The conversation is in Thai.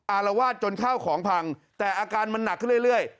อารวาสจนข้าวของพังแต่อาการมันหนักขึ้นเรื่อย